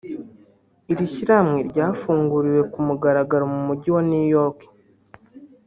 iri shyirahamwe ryafunguriwe ku mugaragaro mu Mujyi wa New York